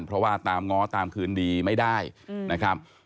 เพราะว่าตามง้อตามคืนดีไม่ได้นะครับ